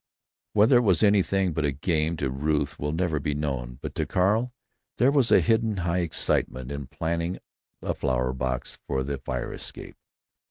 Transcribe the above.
Whether it was anything but a game to Ruth will never be known; but to Carl there was a hidden high excitement in planning a flower box for the fire escape.